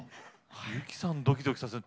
由紀さんドキドキさせる。